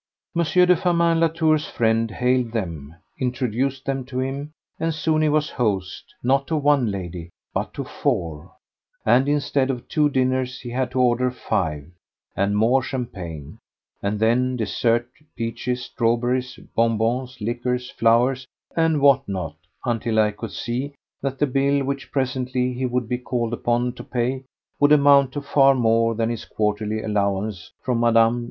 M. de Firmin Latour's friend hailed them, introduced them to him, and soon he was host, not to one lady, but to four, and instead of two dinners he had to order five, and more champagne, and then dessert—peaches, strawberries, bonbons, liqueurs, flowers, and what not, until I could see that the bill which presently he would be called upon to pay would amount to far more than his quarterly allowance from Mme.